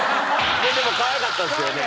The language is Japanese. でもかわいかったですよね。